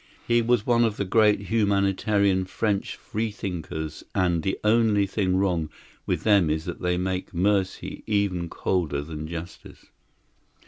He was one of the great humanitarian French freethinkers; and the only thing wrong with them is that they make mercy even colder than justice.